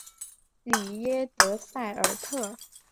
里耶德塞尔特。